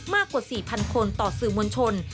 มากกว่า๔๐๐คนต่อสื่อมวลชน